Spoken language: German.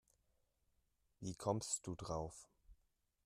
Wie kommst du darauf?